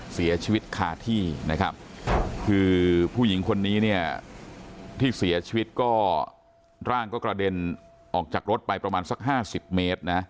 เสียชีวิตคาที่นะครับคือผู้หญิงคนนี้เนี่ยที่เสียชีวิตก็ร่างก็กระเด็นออกจากรถไปประมาณสัก๕๐เมตรนะ